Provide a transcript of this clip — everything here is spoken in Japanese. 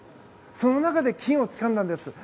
その中で金をつかんだんです。